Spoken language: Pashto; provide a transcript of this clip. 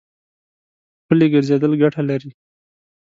پلي ګرځېدل ګټه لري.